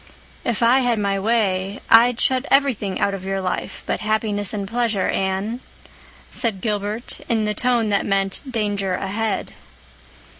"If I had my way I'd shut everything out of your life but happiness and pleasure, Anne," said Gilbert in the tone that meant "danger ahead."